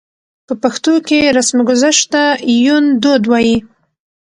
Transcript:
په پښتو کې رسمګذشت ته يوندود وايي.